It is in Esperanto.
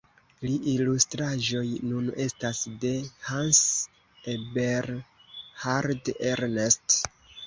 La ilustraĵoj nun estas de Hans-Eberhard Ernst.